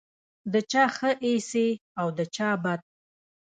د چا ښه ایسې او د چا بد.